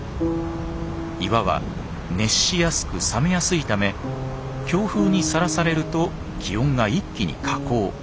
岩は熱しやすく冷めやすいため強風にさらされると気温が一気に下降。